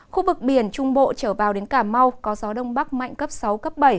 khu vực biển trung bộ trở vào đến cà mau có gió đông bắc mạnh cấp sáu cấp bảy